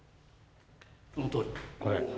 そのとおり。